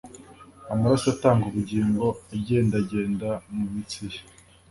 Amaraso atanga ubugingo agendagenda mu mitsi ye;